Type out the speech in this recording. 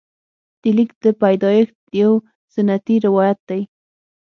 د لیک د پیدایښت یو سنتي روایت دی.